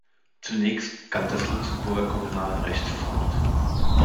Zunächst galt das Luxemburger Kommunalrecht fort.